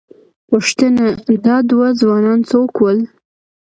پوښتنه، دا دوه ځوانان څوک ول؟